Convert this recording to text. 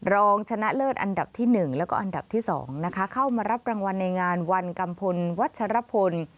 รองชนะเลิศอันดับที่๑แล้วก็อันดับที่๒นะคะเข้ามารับรางวัลในงานวันกัมพลวัชรพล